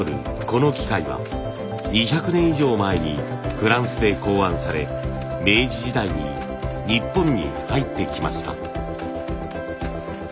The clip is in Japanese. この機械は２００年以上前にフランスで考案され明治時代に日本に入ってきました。